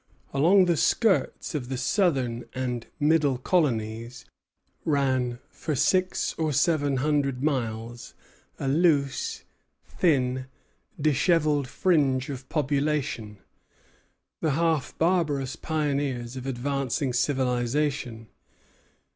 Along the skirts of the southern and middle colonies ran for six or seven hundred miles a loose, thin, dishevelled fringe of population, the half barbarous pioneers of advancing civilization.